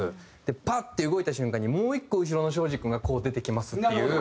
パッて動いた瞬間にもう１個後ろのｓｈｏｊｉ君が出てきますっていう。